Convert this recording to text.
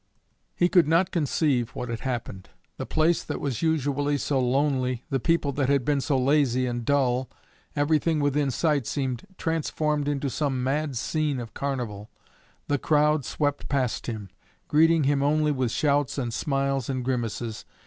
He could not conceive what had happened; the place that was usually so lonely, the people that had been so lazy and dull everything within sight seemed transformed into some mad scene of carnival. The crowd swept past him, greeting him only with shouts and smiles and grimaces.